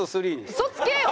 嘘つけよ！